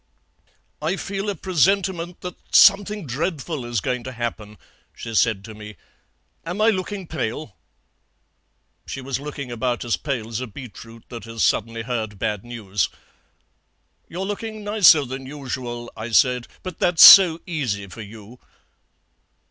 'I feel a presentiment that something dreadful is going to happen,' she said to me; 'am I looking pale?' "She was looking about as pale as a beetroot that has suddenly heard bad news. "'You're looking nicer than usual,' I said, 'but that's so easy for you.'